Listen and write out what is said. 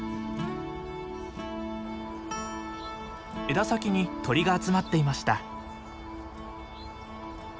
枝先に鳥が集まっていました。